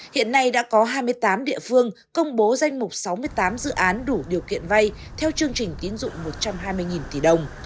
hiện nay đã có hai mươi tám địa phương công bố danh mục sáu mươi tám dự án đủ điều kiện vay theo chương trình tiến dụng một trăm hai mươi tỷ đồng